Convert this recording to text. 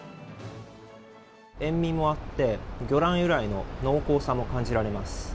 塩みもあって、魚卵由来の濃厚さも感じられます。